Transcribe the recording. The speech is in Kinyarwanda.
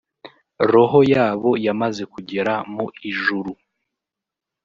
roho yabo yamaze kugera mu ijuru